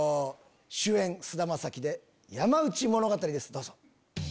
主演菅田将暉で『山内物語』ですどうぞ。